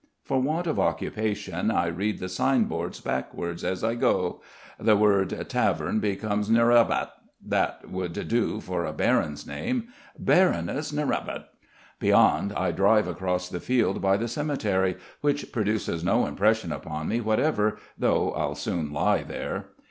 For want of occupation I read the signboards backwards as I go. The word "Tavern" becomes "Nrevat." That would do for a baron's name: Baroness Nrevat. Beyond, I drive across the field by the cemetery, which produces no impression upon me whatever, though I'll soon lie there.